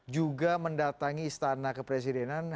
juga mendatangi istana kepresidenan